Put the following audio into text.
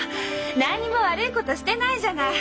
何にも悪いことしてないじゃない。